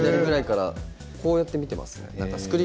そうやって見ています。